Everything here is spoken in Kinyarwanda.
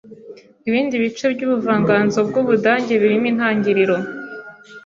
ibindi bice byubuvanganzo bwUbudage birimo intangiriro